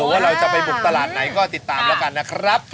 ว่าเราจะไปบุกตลาดไหนก็ติดตามแล้วกันนะครับ